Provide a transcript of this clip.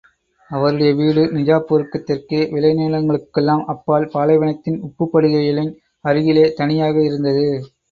அவருடைய வீடு நிஜாப்பூருக்குத் தெற்கே, விளைநிலங்களுக்கெல்லாம் அப்பால், பாலைவனத்தின் உப்புப் படுகைகளின் அருகிலே தனியாக இருந்தது.